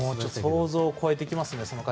想像を超えてきますね。